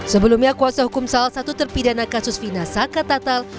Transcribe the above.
sebelumnya kuasa hukum salah satu terpidana kasus fina saka tatal